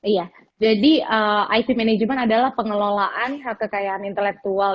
iya jadi ip manajemen adalah pengelolaan kekayaan intelektual